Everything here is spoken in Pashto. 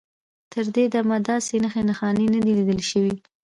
تر دې دمه داسې نښې نښانې نه دي لیدل شوي.